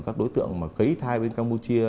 các đối tượng cấy thai bên campuchia